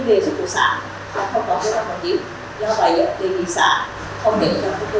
không có sản phẩm không có tiết